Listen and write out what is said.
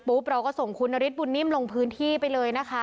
เราก็ส่งคุณนฤทธบุญนิ่มลงพื้นที่ไปเลยนะคะ